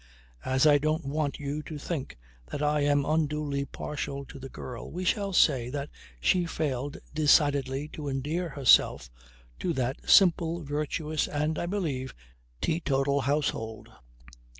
As I don't want you to think that I am unduly partial to the girl we shall say that she failed decidedly to endear herself to that simple, virtuous and, I believe, teetotal household.